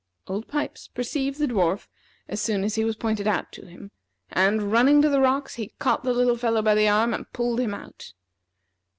Old Pipes perceived the dwarf as soon as he was pointed out to him, and, running to the rocks, he caught the little fellow by the arm and pulled him out.